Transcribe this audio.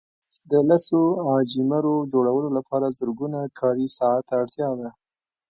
د لسو عاجي مرو جوړولو لپاره زرګونه کاري ساعته اړتیا ده.